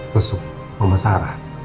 masuk rumah sarah